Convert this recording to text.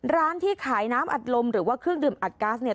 ร้านที่ขายน้ำอัดลมหรือว่าเครื่องดื่มอัดก๊าซเนี่ย